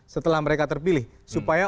setelah mereka terpilih supaya